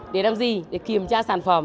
để làm gì để kiểm tra sản phẩm